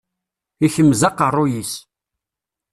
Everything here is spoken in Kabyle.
Ikemmez aqerruy-is.